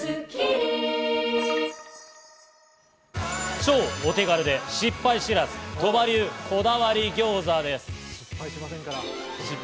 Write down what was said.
超お手軽で失敗知らず、鳥羽流こだわりギョーザです。